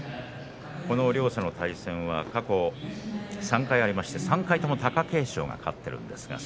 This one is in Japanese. この両者の対戦は過去３回ありまして３回とも貴景勝が勝っています。